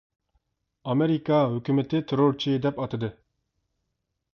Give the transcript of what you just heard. ئامېرىكا ھۆكۈمىتى تېررورچى دەپ ئاتىدى.